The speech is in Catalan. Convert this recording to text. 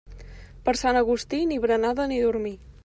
Per Sant Agustí, ni berenada ni dormir.